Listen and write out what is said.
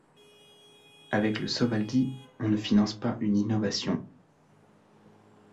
Avec le Sovaldi on ne finance pas une innovation.